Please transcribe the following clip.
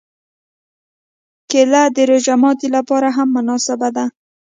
کېله د روژه ماتي لپاره هم مناسبه ده.